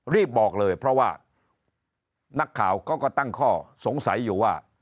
รีบบอกเลยเพราะว่านักข่าวเขาก็ตั้งข้อสงสัยอยู่ว่า